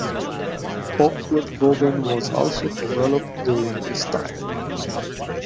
Oakwood-Vaughan was also developed during this time.